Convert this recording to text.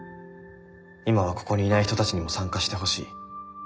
今はここにいない人たちにも参加してほしい」。